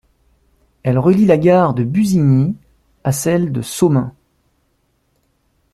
Elle relie la gare de Busigny à celle de Somain.